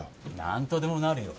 何とでもなるよ。